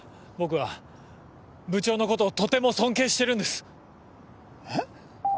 僕は部長のことをとても尊敬してるんです。